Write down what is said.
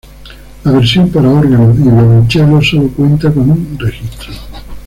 La versión para órgano y violonchelo sólo cuenta con un registro.